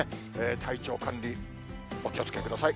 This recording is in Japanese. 体調管理、お気をつけください。